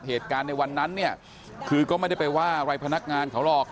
เหตุการณ์ในวันนั้นเนี่ยคือก็ไม่ได้ไปว่าอะไรพนักงานเขาหรอก